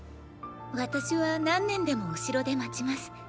私は何年でもお城で待ちます。